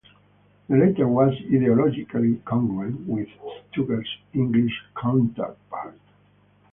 The latter was ideologically congruent with Sturge's English counterpart.